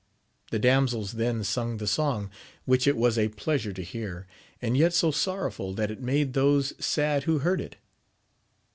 The damsels then sung the song, which it was a pleasure to hear, and yet so sorrowful that it made those sad who heard it.